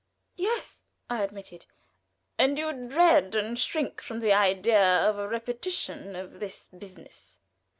"Yes," I admitted. "And you dread and shrink from the idea of a repetition of this business?"